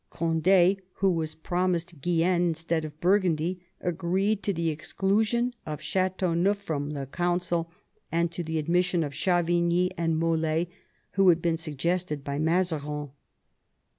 Cond^, who was promised Guienne instead of Burgundy, agreed to the exclusion of Ch^teauneuf from the Council, and to the admission of Chavigny and Mol^, who had been suggested by Mazarin.